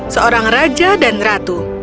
seorang raja dan ratu